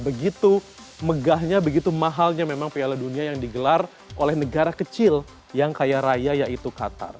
begitu megahnya begitu mahalnya memang piala dunia yang digelar oleh negara kecil yang kaya raya yaitu qatar